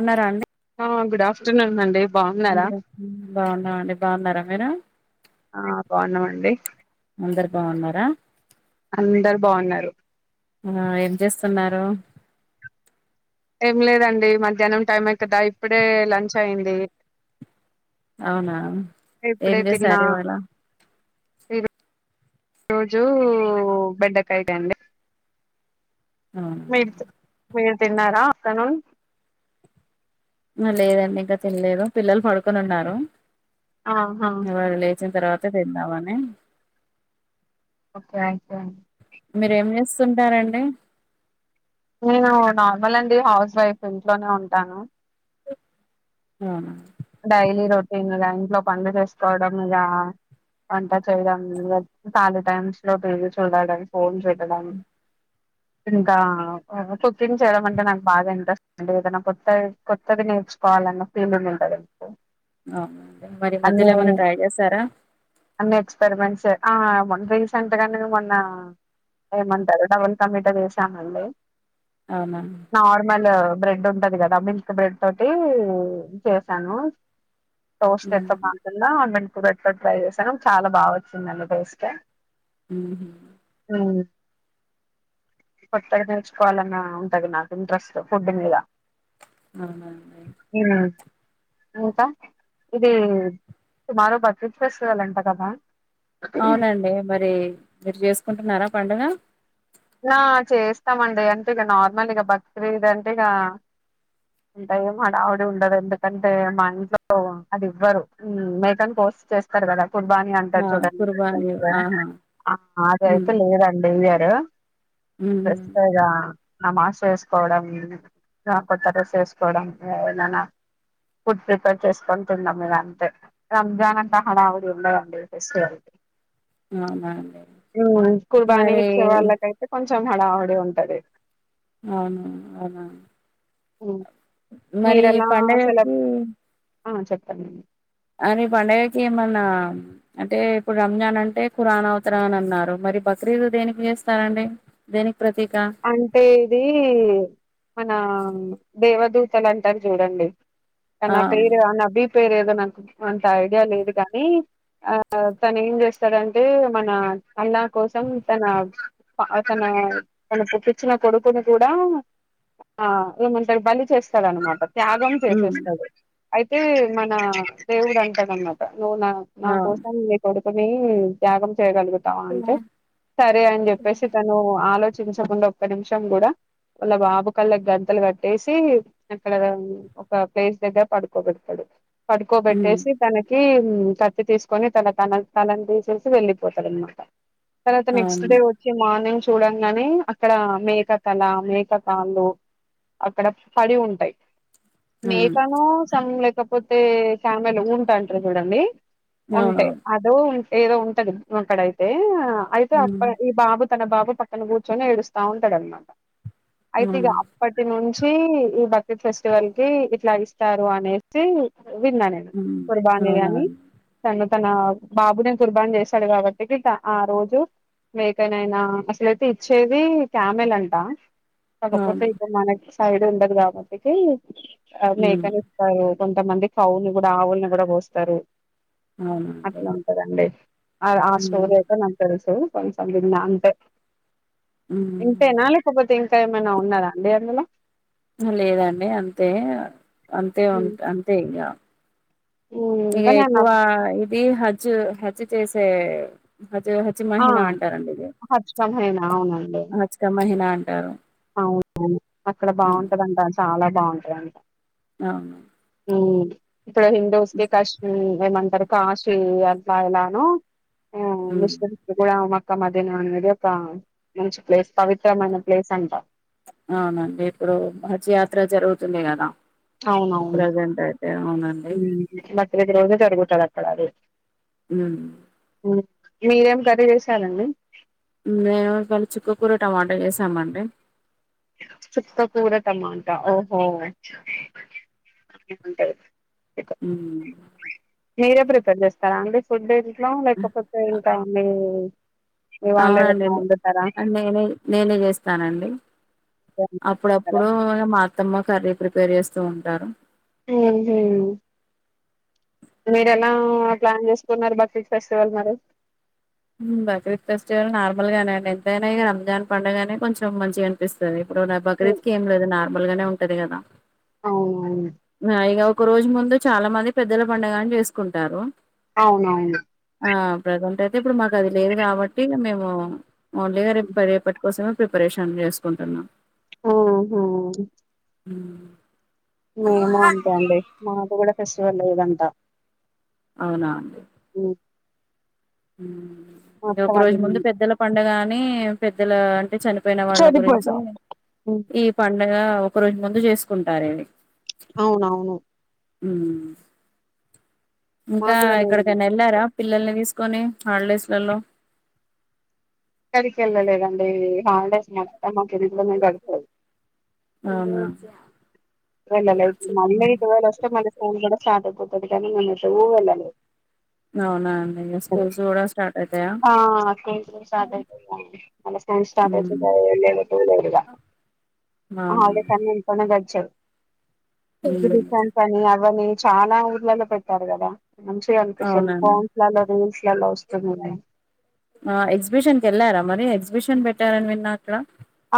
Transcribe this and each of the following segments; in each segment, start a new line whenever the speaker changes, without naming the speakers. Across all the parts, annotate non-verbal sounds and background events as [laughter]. ఉన్నారా అండి
ఆ గుడ్ ఆఫ్టర్నూన్ అండి బాగున్నారా
బాగున్నాండి బాగున్నారా మీరు
ఆ బాగున్నామండి
అందరు బాగున్నారా
అందరు బాగున్నారు
ఆ ఏం చేస్తున్నారు
ఏం లేదండి మధ్యాహ్నం టైం అయి కదా ఇప్పుడే లంచ్ అయి్యంది
అవునా ఏం జేశారివాలా
ఈరో రోజు బెండకాయ్ దండి
అవునా
మీరు తిన్నారా ఆఫ్టేర్నూన్
ఇంగా లేదండి ఇంకా తెనలేదు పిల్లలు పడుకొని ఉన్నారు
ఆహా
వాళ్లు లేచిన తర్వాత చే వినవన్నీ
ఓకే అయ స
మీరేం చేస్తుంటారండీ
నేను నార్మల్ అండి హౌస్ వైఫ్ ఇంట్లోనే ఉంటాను
ఆ
డైలీ రొటీన్గా ఇంట్లో పనులు చేసుకోవడం ఇగ వంట చేయడం ఇంగ కాలి టైమ్స్ లో టీవీ చూడడం ఫోన్ చూస్ కడలి ఇంకా కుకింగ్ చేయడం అంటే నాకు బాగా ఇంట్రెస్ట్ అండి ఏదైనా కొత్తది కొత్తది నేర్చుకోవాలన్న ఫీలింగ్ ఉంటదిగా
అవున మరి మధ్యలో ఏమైన్నా ట్రై చేస్తారా
ఎక్స్పరిమెంట్స్మ ఆ మొన్ రీసెంట్ గానే మొన్న ఏమంటారు డబుల్ కమిట చేసాం మళ్ళీ
అవునా
నార్మలు బ్రెడ్ ఉంటది కదా మిల్క్ బ్రెడ్ తోటీ చేశాను సౌస్త
ఉమ్,
ఎతప్ప అన్నినాఅంతా ఇప్పుడ ట్రై చేసాను చాలా బా వచ్చిందిన్న టేస్ట్
ఉమ్
ఉమ్ కొత్తగా నేర్చుకోవాలన్నా ఉంటది నాకు ఇంట్రెస్ట్ ఫుడ్ మీద
అవునవునే
ఉమ్, ఇంకా ఇది టుమారో బక్రీద్ ఫెస్టివల్ అంట కదా
అవునండి మరి మీరు చేసుకుంటున్నారా పండుగ
నా చేస్తామండి అంటే ఇక నార్మల్ ఇక బక్రీద్ దంటే ఇక ఇంకా ఏమో హడావుడి ఉండదు ఎందుకంటే మా ఇంట్లో అది ఇవ్వరు మేకన్ కోస్ చేస్తారు కదా ఫుట్ బాని అంటాడు
ఆ
చూడండి
కుర్బానీ ఆహా
అది అయితే
ఉమ్,
లేదండి ఇ యా
ఉమ్.
బెస్తెగా నమాజ్ వేసుకోవడం ఇంకా కొత్త రెస్ వేసుకోవడం ఇంక ఏమైనా ఫుడ్ ప్రిపేర్ చేసుకొని తిన్డం ఇంకా అంతే రంజాన్ంతా హడావుడి ఉండదండి ఈ ఫెస్టివల్
అవునా అండి
ఇకు బానే
మరి
ఇచ్చే వాళ్ళయితే కొంచెం హడాహడి ఉంటది
అవును అవునా
ఉమ్,
మరి
మీరెలా సెలబ్రేట్
పండగకి
ఆ చప్పండి
అంటే పండగకి ఏమన్నా అంటే ఇప్పుడు రంజాన్ అంటే కురాన్ అవతార అని అన్నారు మరి బక్రీద్ దేనికి చేస్తారండి దేనిక్
అంటే ఇదీ మన దేవదూతల్ అంటారు చూడండి
ఆ
అనా పేరు అన్నబీప్ పేర్ ఏదో నాకు అంత ఐడియా లేదు కానీ ఆ తను ఏం చేస్తాడంటే మన అల్లా కోసం తన ప అతనా తన పుటోచ్చిన కొడుకుని కూడా ఆ ఏమంటారు బలి చేస్తాడనమాట త్యాగం
హ్మ్
చేసేస్తాడు అయితే మన దేవుడు అంటాదన్నమాట నువ్వు నా నా
అవును
కోసం ని కొడు కుని త్యాగం చేయగలుగుతాం అంటే సరే అని చెప్పేసి తను ఆలో చించకుండా ఒక్క నిమిషం గుడ వాళ్ళ బాబు కళ్ళక్ గంతలు కట్టేసి అక్కడ ఒక ప్లేస్ దగ్గర పడుకోబేటాడు
హ్మ్
పడుకోబెట్టేసి తనకి హ్మ్ కత్తి తీసుకొని తన తన తలని తీసేసి వెళ్ళిపోతాడనమాట తర్వాత నెక్స్ట్
అవును
డే వచ్చి మార్నింగ్ చుడంగ్ గానే అక్కడ మేక తల మేక కాళ్ళు అక్కడ పడి ఉంటాయి
హ్మ్
మేకను సం లేక్ లేకపోతే చామలు [inaudible] ఉంట్రాంట్రీ చూడండి ఉంటై
అవునవును
అదో ఏదో ఉంటది అక్కడైతే అయితే
హ్మ్
అక్క ఈ బాబు తన బాబు తను గూచొని ఏడుస్తా ఉంటాడనమాట అయితే ఇగ
అవునా
అప్పటి నుంచ్ పీ ఈ బక్రీద్ ఫెస్టివల్ కి ఇట్ల ఇస్తారు అనేసి విన్నా నేను
హ్మ్
కుర్బాని
అవునా
అని
అండి.
తన్ను తన బాబుని కుర్బాన్ చేస్తాడు కాబట్టి ఇక ఆ రోజు మేకనైనా అసలే ఇచ్చేది క్యామెల్ అంట కాకపోతే
అవును
ఇద్దర్ మనకి సైడ్ ఉండదు కావటికి ఆ మేక
హ్మ్
నిస్తారు కొంతమంది కవుని కూడా ఆవుల్ని కూడా పోస్తారు
అవునండి
అట్లా ఉంటదండి ఆ ఆ
హ్మ్
స్టోరీ అయితే నాకు తెలుసు కొంచెం విన్నా అంతే
హ్మ్
ఇంతేనా లేకపో ఇంకా ఏమైనా ఉన్నారా అండి అందులో
లేదండి అంతే అంతే ఉ అంతే ఇగ
మ్మ్
ఇక
కానీ అ
ఎక్కువ ఇది హ హచ్చ్య హత్య చేసే హచ్చ హచ్చి
ఆ
మహినా అంటారండి ఇది
హచ్చమేనా అవునండి
హచ్చిక మహీనా అన్ టరు
అవును అక్కడ బాగుంటదంట చాలా బాగుంటాద్ అంట
అవును
అవును ఇక్కడ హిందువుస్ కే కష్టము మేమందర కాశీ అంట్ల ఎలానో ఆ
ఉమ్
[unintelligible] కూడా ఒక మదినం అనేది ఒక మంచి ప్లేస్ పవిత్రమైన ప్లేస్ అంటారు.
అవునండి ఇప్పుడు మంచి యాత్ర జరుగుతుంది కదా
అవునవును
ప్రజెంట్ అయితే అవునండి
ఊ బక్రీదు రోజే జరుగుతుంది అక్ ఫడారు
ఊ
మీరేం కర్రీ చేసారంండి
మేను ఇళ చుక్కకూర టమాటా చేసామండి
చుక్కకూర టమాటా ఓహో అ ఉంటయి
ఊ
మీరే ప్రిపేర్ చేస్తారా అండి ఫుడ్ నోములు లేకపోతే ఇంకా మేము
అవునండి నేనే నేనే చేస్తానండి
స్తారా
అప్పుడప్పుడు మా అత్తమ్మ కర్రీ ప్రిపేర్ చేస్తూ ఉంటారు
నేను చెయ్యను మీర ఎలా ప్లాన్ చేసుకున్నారు బక్రీజ్ ఫెస్టివల్ మరి
బక్రీద్ ఫెస్టివల్ నార్మల్ గానేండి ఎంతైనా ఇక రంజాన్ పండుగనే కొంచెం మంచిగా అనిపిస్తది ఇపుడు న బక్రీద్ కి ఏం లేదు నార్ ముల్గానే ఉంటది కదా
అవునవును
ఆ ఇగ ఒక రోజు ముందు చాలా మంది పెద్దల పండగని చేసుకుంటారు
అవునవును
ఆ ప్రజెంట్ అయితే అే ఇప్పుడు మాకు అది లేదు కాబట్టి మేము ఓన్లీ గా రే రేపు పట్టుకొస్తాను ప్రిపరేషన్ చేసుకుంటున్నా
ఓ హో
ఊ
మేము అంతే అండి మాకు కూడా ఫెస్టివల్ లేదంట
అవునా అండి హ్మ్
మా
ఇంక
అత్త
ఒక
వాళ్ళు
రోజు ముందు పెద్దల పండగని మీ పెద్దల అంటే చనిపో చనిపోయిన వాళ్ళ
చనిపోయిన
గురించి ఈ పం పండగ ఒక రోజు ముందు చేసుకుంటారిది
అవునవును
హ్మ్ ఇంకా
మాకు కూడా లేదు
ఎక్కడికైనా వెళ్లారా పిల్లల్నిదీస్ స్కొని హాలీడేస్ లల్లో
ఎక్కడికి వెళ్ళలేదండి హాలిడేస్ మొత్తం మా పెరట్లొనే గడిపం
అవునా
వెళ్ళలే ఇప్పుడు మళ్ళీఇటువేలా వస్తే ఫోన్కూడా స్టార్ట్ అయిపోతది [inaudible]
అవునా అండి ఇగ స్కూల్స్ కూడా స్టార్ట్ అయితాయా
ఆ స్కూల్స్ స్టార్ట్ అయితాయి మళ్ళీ స్కూల్స్ స్టార్ట్ అయితే
ఉమ్
ఇన్నే ఎటు తోలడు
అవునా
హాలిడేస్ అన్ని ఇంట్లోనే గడిచాయి ఇద్దరు
ఉమ్
ఇషాంతని అవలేదు చాలా ఊర్లలో పెట్టారు కదా మంచిగా అనిపిస్తంది
అవునండి
ప్యాంప్లలో తీసి ఇక లవ్ స్టోరీనే ఉంది
ఎగ్జిబిషన్ కి వెళ్లారా మరి ఎగ్జిబిషన్ పెట్టారని విన్నా అక్కడ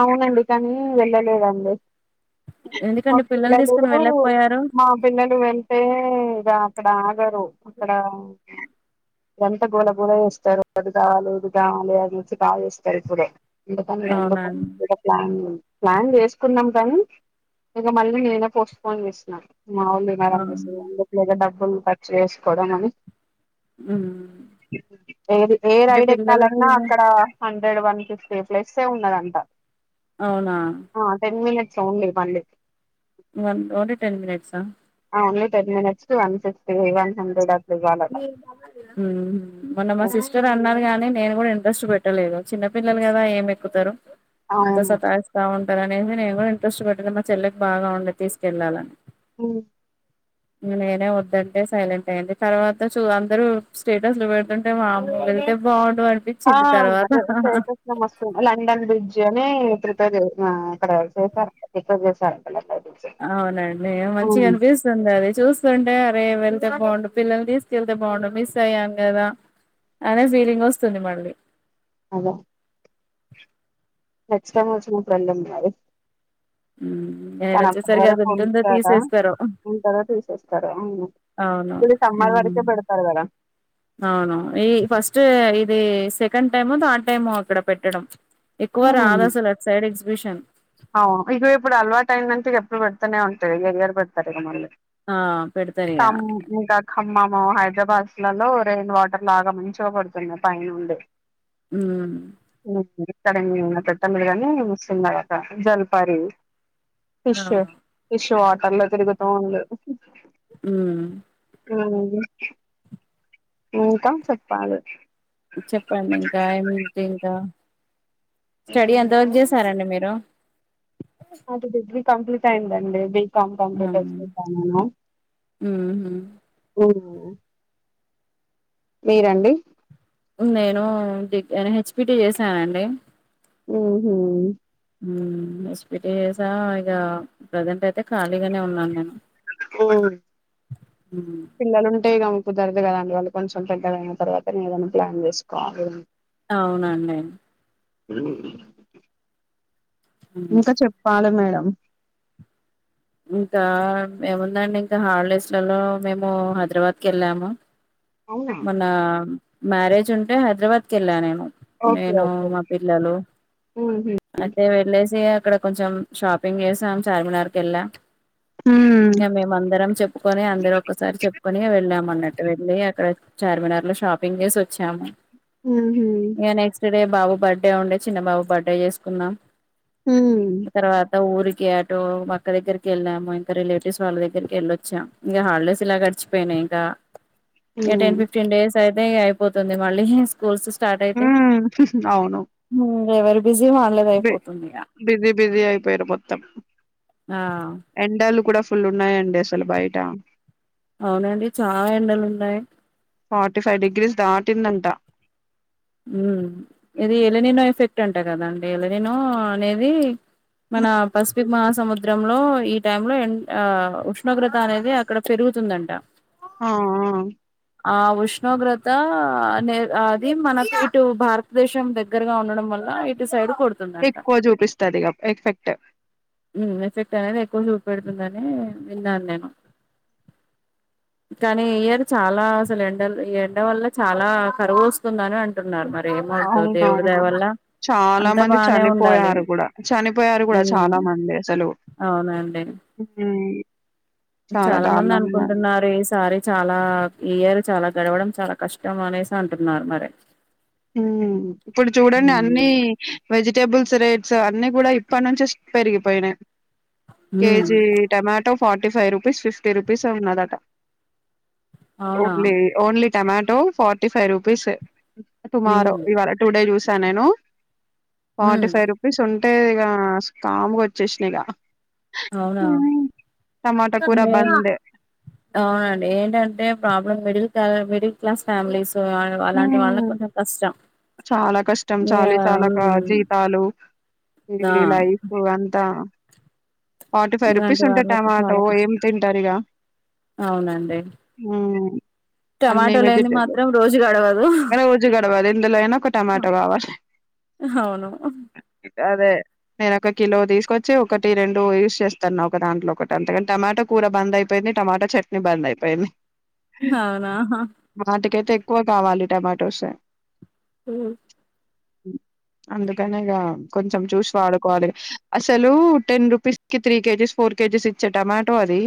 అవునండి కానీ వేళ్ళలేదండి మా
ఎందుకండి
పిల్లలు
తీసుకుని వెళ్ళకపోయారు
మా పిల్లలు వెంటే రా క్కడ యారు అక్కడ ఎంత గోళ గోల చేస్తారు అది కావాలి ఇది కావాలి అది మంచిగా కాల్ చేస్తారు ఇప్పుడే ఇంత పనులు ఎందుక్
అవునా అండి
పనులకు కూడా ప్లాన్లు ప్లాన్ చేసుకున్నాం కానీ ఇక మళ్ళీ నేనే పోస్ట్ పోన్ చేసిన్నా ఇంగా అవునులే ఇంగా మారం
అవును
చేస్తూ చెప్పి పిల్లల దగ్గర డబ్ వాళ్లు ఖర్చు వేసుకోవడం అని
ఉమ్
ఏది ఏ
అంటే
రైడ్
పిల్లలకి
ఎక్కాలన్నా అక్కడ రైడ్ వన్ ఫిఫ్టీ ప్లస్సే ఉన్నదం త్తా
అవునా
సౌండ్లే మల్లే
వన్ ఓన్లీ టెన్ మినిట్సా
only ten minutes one fifty one హండ్రెడన్
హుమ్ మొన్న మా సిస్టర్ అన్నారు గాని నేను గుడా ట్రస్ పెట్టలేదు చిన్న పిల్లలు గదా ఏం ఎక్కుతరు అంత
అవును
సతాయిస్తావున్ టరనేమి నేను గూడా ఇంట్రెస్ట్ పెట్టలే మా చెల్లెకి బాగా ఉండే తీసుకెళ్ళాలని
ఊ
ఇంగ నేనే వొద్దంటే సైలెంట్ అయింది తర్వాత చూ అందరూ స్టేటస్లు వెడుతుంటే పాపం వెళ్తే బావున్
ఆ అదే స్టేటస్లో మస్త్ లండన్ బ్రిడ్జ్ జమే ప్రిఫర్ జేస్ మా అక్కడ సోఫా ప్రిఫర్ చేశారంట గదా
అవునండి మంచిగ అనిపిస్తుందది చూస్తుంటే అరే వెల్ తే బావుండు పిల్లల్ని తీసుకెళ్తే బావుండు మిస్ అయ్యాను గదా అనే ఫీలింగొస్తుంది మళ్ళీ
అదే నెక్స్టైమ్ వచ్చినపుడు వెళ్దాం మరి
ఉమ్ నేను
తనంత
వచ్చేసరికి అది
వోరక్
ఉంటుందో
వుంటాడా
తీసేస్తారో
ఉంటరో తీసేస్తారో అవును
అవును
ఇది సమ్మరు
మ్మ్
వరకే పెడతారు గదా
అవును ఈ ఫస్ట్ ఇది సెకండ్ టైమో థర్డ్ టైమో అక్కడ పెట్టడం ఎక్కువ రాదసలు అట్ సైడ్ ఎగ్జిబిషన్
ఆవ్ను ఇక ఇప్పుడు అల్వాటైందంటే ఇగ ఎప్పుడు పెడ్తానే ఉంటాది ఈ ఇయర్ పెడ్తారిగా మళ్ళీ
ఆ పెడతారు ఇగ
కమ్ ఇంకా ఖమ్మము హైడ్ ఇగ బస్లలో రెయిన్ వాటర్ లాగా మంచిగా పడ్తుంది పైనుండి
మ్మ్
ఇక్కడ ఇంగ పెట్టల్ల గాని మస్తుండగా క జల్పాారి ఫిష్సు
అవును
ఫిష్ వాట్ కళ్ళు తిరుగుతోంది
మ్మ్
హుమ్ ఇంకా చెప్పాలే
చెప్పండి ఇంకా ఏమిటింకా స్టడీ ఎంత వరకు చేసారండి మీరు
అ ది డిగ్రీ కంప్లీట్ అయిందండి డి come come touch me come అనా
మ్మ్
ఉమ్ మీరండి
నేను ఎన్ హెచ్పిటి చేసానండి
ఉమ్ హూ
ఉమ్ ఎస్పిటి జేసా ఇగా ప్రెజెంట్ అయితే ఖాళీగానే ఉన్నాను నేను
ఉం
ఉమ్
పిల్లలు ఉంటాయి క కుదరదు గదా అండి వాళ్ళు కొంచెం పెద్దగా అయిన తర్వాత నే ఏదైనా ప్లాన్ జేసుకోవాలి
అవునండి
[inaudible]
మ్మ్
ఇంకా చెప్పాలే మేడం [inaudible]
ఇంకా ఏముందండి ఇంకా హాలిడేస్లలో మేము హైదరాబాద్ కి వెళ్ళాము
అవునా
మొన్న మ్యారేజ్ ఉంటే హైదరాబాద్ కి వెళ్ళా నేను
ఓకే
నేను
ఓకే
మా పిల్లలు
ఉహు
అయితే వెళ్ళేసి ఇక్కడ కొంచెం షాపింగ్ చేసాం చార్మినార్కెళ్లా
ఉహు
ఇగ మేమందరం చెప్పుకొని అందరం ఒక్కసారి చెప్పుకొని వెళ్ళామన్నట్టు వెళ్ళి అక్కడ చార్మినార్ లో షాపింగ్ చేసి వచ్చాము
హు హమ్
ఇగ నెక్స్ట్ డే బాబు బర్త్డే ఉండే చిన్న బాబు బర్త్డే చేసుకున్నాం
ఉహు
తర్వాత ఊరి ఇ ఆటో మక్క దగ్గరికి వెళ్ళాము ఇంకా రిలేటివ్స్ వాళ్ళ దగ్గరికి వెళ్ళొచ్చాం ఇంకా హాలిడేస్ ఇలా గడిచిపోయినాయి ఇంకా ఓ
ఉహు
టెన్ ఫిఫ్టీన్ డేస్ [unintelligible] అయిపోతుంది మళ్ళీ స్కూల్స్ స్టార్ట్ అయితే హ్మ్మ్ వరి
బ బిజీ బిజీ అయిపోయారు మొత్తం
ఆ
ఎండలు కూడా ఫుల్ ఉన్నాయండి అసలు బయట
అవునండి చాలా ఎండలు ఉన్నాయి
ఫార్టీ ఫైవ్ డిగ్రీస్ దాటిందంట
మ్మ్ ఇది ఎలినినో ఎఫెక్ట్ టెంట గదా అంటే [unintelligible] అనేది మన పసిఫిక్ మహాసముద్రంలో ఈ టైమ్ లో ఎన్ ఆ ఉష్ణోగ్రత అనేది అక్కడ పెరుగుతుందంట.
ఆ ఆ
ఆ ఉష్ణోగ్రత అనే అది మనక్ ఇటు భారతదేశం దగ్గరగా ఉండడం వల్ల ఇటు సైడు
ఎక్కువ జూపిస్తదిగ ఎఫెక్ట్
మ్మ్ ఎఫెక్ట్ అనేది ఎక్కువ చూపెడుతుందని విన్నాను నేను కానీ ఇయర్ చాలా అసలు ఎండలు ఈ ఎండ వల్ల చాలా కరువు వస్తుందని అంటున్నారు మరి. ఏమవుద్దో దేవుడి దయ
అవునవును
వల్ల
చాలా
అంతా
మంది
బానే ఉండాలి
చనిపోయారు కూడా చనిపోయారు కూడా చాలా
ఉమ్
మ ద సలవు
అవునండి
హ్మ్
చాలా మంది అనుకుంటున్నారు ఈసారి చాలా ఇయర్ చాలా గడవడం చాలా కష్టం అనేసి అంటున్నారు మరి
ఇప్పుడు చూడండి అన్ని
ఉమ్
వెజిటేబుల్స్ రే సో అన్ని కూడా ఇప్పటి నుంచే పెరిగిపోయినాయి
ఉమ్
KG tomato forty five rupees fifty rupees ఉన్నదట
అవునా
only only tomato forty five rupees tomorrow
ఉమ్
ఇవా టుడే జూ స్తా నేను ఫార్టీ
ఉమ్
ఫైవ్ రుపీస్ ఉ అంటే ఇక కామ్గా వచ్చేసిన ఇగ
అవునా
టమాటా కూర బంద్
అవునండి ఏంటంటే ప్రబ్ మిడిల్ క మిడిల్ క్లాస్ ఫ్యామలీస్
చాలా కష్టం
ఇగ
చాలీ చాలాకా
ఉమ్
జీతాలు ఈ
ఆ
లైఫ్ అంతా ఫార్టీ ఫైవ్ రుపీస్
ఇలాంటి
ఉంటాయి
వాళ్ళకు
టమాటో
చాలా
ఏం
కష్టం
తింటారు ఇగ
అవునండి
అన్ని
టమాటో లేంది
వెజిటేబుల్
మాత్రం రోజు గడగదు
రోజు గడవదు ఎందులో అయినా ఒక
హ
టమాటో కావాలి
అవును
అదే నేన ఒక కిలో తీసుకొచ్చి ఒకటి రెండు యూజ్ చేస్తున్నా ఒక దాంట్లో ఒకటి అంతకని టమాటా కూర బంద్ అయిపోయింది టమాటా చట్నీ బంద్ అయిపోయింది
అవునా హా
వాటికైతే ఎక్కువ కావాలి టొమాటోస్
అ
అందుకనిగా కొంచెం చూసి వాడుకోవాలి అసలు టెన్ రూ పిస్కి త్రీ కేజీస్ ఫోర్ కేజీస్ ఇచ్చే టమాటో అది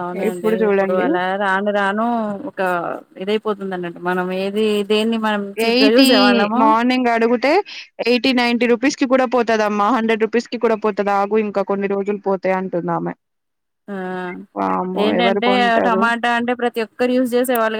అవునండి ఇప్పుడు అలా రాను రాను ఒక ఇదైపోతుంది అ మనం ఏది దేన్ని మనం చీప్ గా
ఎఇటీ
చూసేవాళ్ళము
మార్నింగ్ అడుగుతే ఎఇటీ నైటీ రూపీస్ మించి కూడా పోతదమ్మా హండ్రెడ్ రూపీస్ కి కూడా పోతుా ఆగు ఇంకా కొన్ని రోజులు పోతాయి అంటుంది ఆమా
ఆ
ఎవరు
ఏంటంటే
కొంటారు
టమాటా అంటే ప్రతి ఒక్కరు యూజ్ చేసే వాళ్ళు